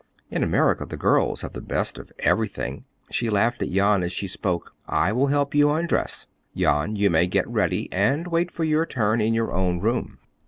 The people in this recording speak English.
In America the girls have the best of everything", she laughed at Jan, as she spoke. "I will help you undress. Jan, you may get ready and wait for your turn in your own room."